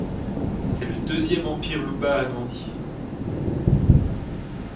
C'est le deuxième empire Luba agrandi.